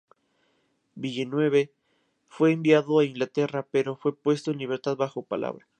Villeneuve fue enviado a Inglaterra, pero fue puesto en libertad bajo palabra.